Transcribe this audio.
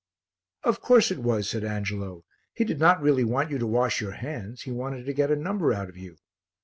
"Of course it was," said Angelo; "he did not really want you to wash your hands, he wanted to get a number out of you."